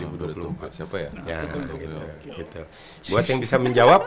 buat yang bisa menjawab